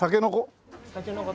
たけのこ？